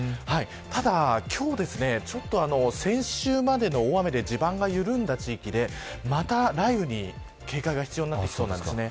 ただ、今日ちょっと先週までの大雨で地盤が緩んだ地域でまた雷雨に警戒が必要になってきそうです。